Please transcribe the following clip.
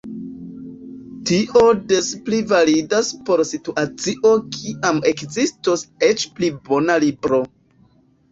Tio des pli validas por situacio kiam ekzistos eĉ pli bona libro.